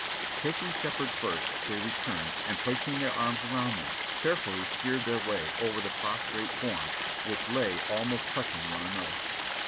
Taking Shepherd first, they returned, and placing their arms around me, carefully steered their way over the prostrate forms, which lav almost touching one another.